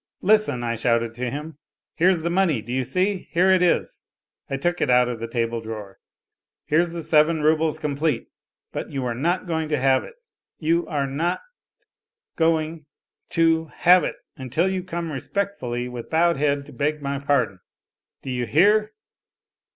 " Listen," I shouted to him. " Here's the money, do you see, here it is " (I took it out of the table drawer) ;" here's the seven roubles complete, but you are not going to have it, you ... NOTES FROM UNDERGROUND 143 are ... not .. going ... to ... have it until you come respectfully with bowed head to beg my pardon. Do you hear